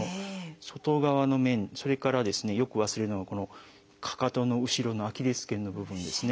それからよく忘れるのがこのかかとの後ろのアキレス腱の部分ですね。